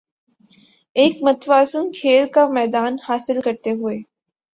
ایک متوازن کھیل کا میدان حاصل کرتے ہوے